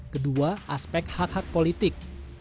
kedua aspek hak hak politik